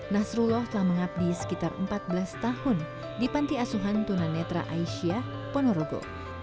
nasrullah telah mengabdi sekitar empat belas tahun di panti asuhan tunanetra aisyah ponorogo